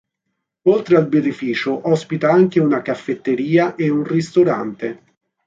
Oltre al birrificio ospita anche una caffetteria e un ristorante.